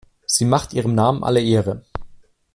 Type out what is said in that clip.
Sie macht ihrem Namen alle Ehre.